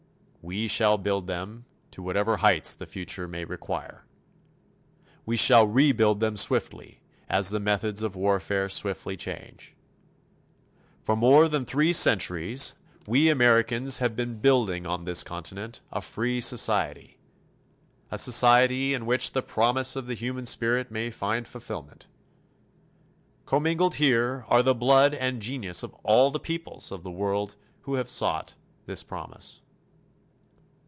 We shall build them to whatever heights the future may require. We shall rebuild them swiftly, as the methods of warfare swiftly change. For more than three centuries we Americans have been building on this continent a free society, a society in which the promise of the human spirit may find fulfillment. Commingled here are the blood and genius of all the peoples of the world who have sought this promise.